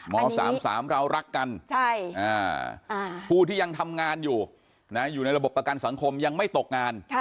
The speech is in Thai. ม๓๓เรารักกันผู้ที่ยังทำงานอยู่อยู่ในระบบประกันสังคมยังไม่ตกงาน